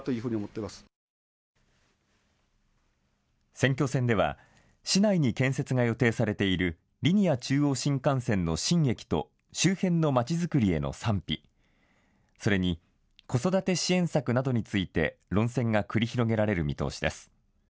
選挙戦では市内に建設が予定されているリニア中央新幹線の新駅と周辺のまちづくりへの賛否、それに子育て支援策などについて論戦が繰り広げられる見通しです。